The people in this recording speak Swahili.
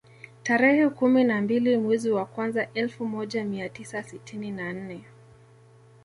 Tarehe kumi na mbili mwezi wa kwanza elfu moja mia tisa sitini na nne